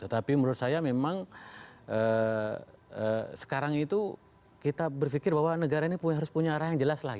tapi menurut saya memang sekarang itu kita berpikir bahwa negara ini harus punya arah yang jelas lah